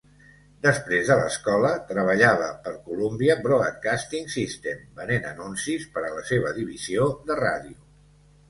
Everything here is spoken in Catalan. Després de l'escola, treballava per Columbia Broadcasting System venent anuncis per a la seva divisió de ràdio.